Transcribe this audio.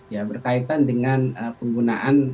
ya berkaitan dengan penggunaan